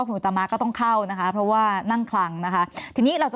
คุณอุตมะก็ต้องเข้านะคะเพราะว่านั่งคลังนะคะทีนี้เราจะ